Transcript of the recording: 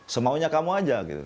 semaunya kamu aja gitu